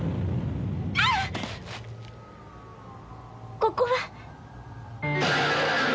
ここは？